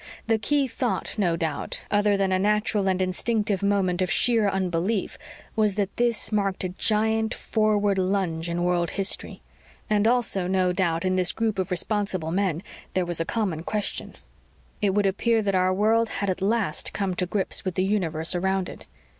The key thought, no doubt, other than a natural and instinctive moment of sheer unbelief, was that this marked a giant, forward lunge in world history. And also, no doubt, in this group of responsible men, there was a common question: It would appear that our world had at last come to grips with the universe around it.